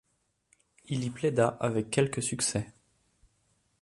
Il y plaida avec quelque succès.